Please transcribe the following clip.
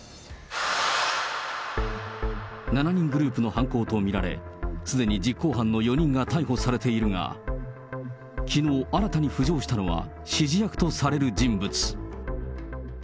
７人グループの犯行と見られ、すでに実行犯の４人が逮捕されているが、きのう、新たに浮上したのは、指示役とされる人物。